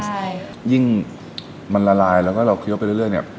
ใช่ยิ่งมันละลายแล้วก็เราเคี้ยวไปเรื่อยเนี่ย